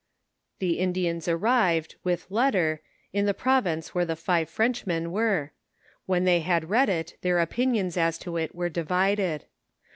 The Indiana arrived, with letter, in tho province where the five Frenchmen were ; when they had read it., their opiniona as to it were divided.